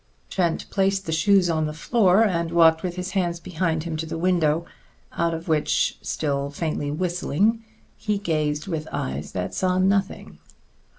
Trent placed the shoes on the floor, and walked with his hands behind him to the window, out of which, still faintly whistling, he gazed with eyes that saw nothing.